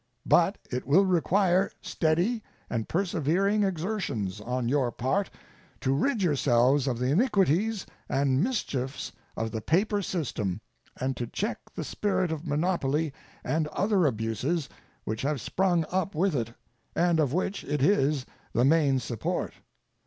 But it will require steady and persevering exertions on your part to rid yourselves of the iniquities and mischiefs of the paper system and to check the spirit of monopoly and other abuses which have sprung up with it, and of which it is the main support.